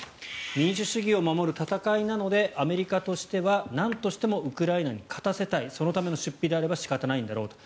民主主義を守る戦いなのでアメリカとしてはなんとしてもウクライナに勝たせたいそのための出費であれば仕方ないんだろうと。